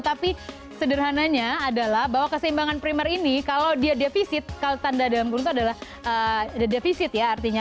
tapi sederhananya adalah bahwa keseimbangan primer ini kalau dia defisit kalau tanda dalam guru itu adalah defisit ya artinya